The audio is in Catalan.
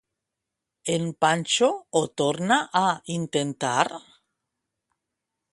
En Panxo ho tornà a intentar?